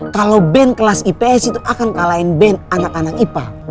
kalau band kelas ips itu akan kalahin band anak anak ipal